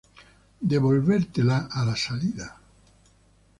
devolvértela a la salida